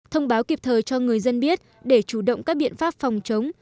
thông báo kịp thời cho người dân biết để chủ động các biện pháp phòng chống